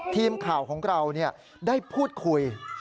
ทีมข่าวของเราได้พูดคุย